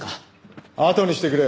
あとにしてくれ。